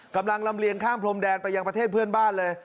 กำลังลำเลียงข้ามพรมแดนไปยังประเทศเพื่อนบ้านเลย